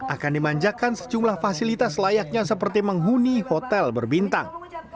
akan dimanjakan sejumlah fasilitas layaknya seperti menghuni hotel berbintang